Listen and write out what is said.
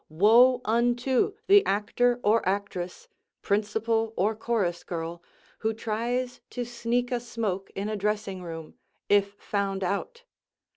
Woe unto the actor or actress, principal or chorus girl, who tries to sneak a smoke in a dressing room, if found out!